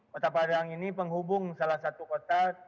kota padang ini penghubung salah satu kota